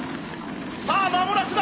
さあ間もなくだ！